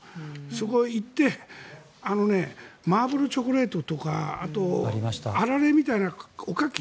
そこへ行ってマーブルチョコレートとかあられみたいなおかき。